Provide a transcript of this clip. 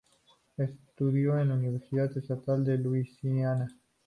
Estudió en la Universidad Estatal de Louisiana.